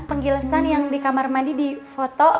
penggilesan yang di kamar mandi difoto